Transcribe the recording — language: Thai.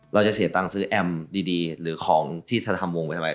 เราจะเสียตังค์ซื้อแอมดีหรือของที่เธอทำวงไว้ทำไม